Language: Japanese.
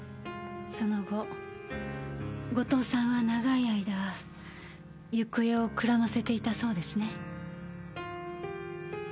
その後後藤さんは長い間行方をくらませていたそうですね。